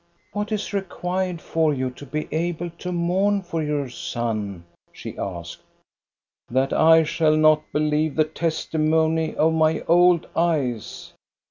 " What is required for you to be able to mourn for your son? " she asked. " That I shall not believe the testimony of my old eyes.